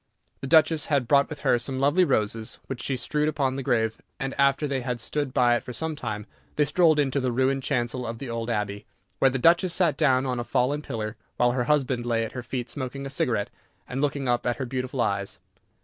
The Duchess had brought with her some lovely roses, which she strewed upon the grave, and after they had stood by it for some time they strolled into the ruined chancel of the old abbey. There the Duchess sat down on a fallen pillar, while her husband lay at her feet smoking a cigarette and looking up at her beautiful eyes.